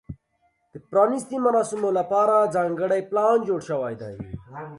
د پرانیستې مراسمو لپاره ځانګړی پلان جوړ شوی دی.